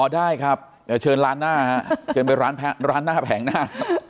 ได้ครับเชิญไปร้านหน้าแผงหน้า